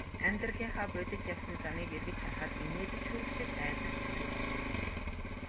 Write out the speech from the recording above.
Амьдралынхаа будилж явсан замыг эргэж харахад инээд ч хүрэх шиг, айдас ч төрөх шиг.